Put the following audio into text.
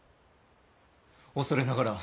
恐れながら！